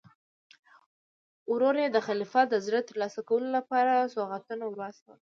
ورور یې د خلیفه د زړه ترلاسه کولو لپاره سوغاتونه ور واستول.